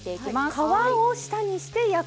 皮を下にして焼く。